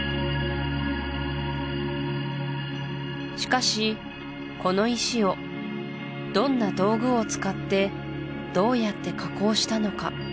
しかしこの石をどんな道具を使ってどうやって加工したのか？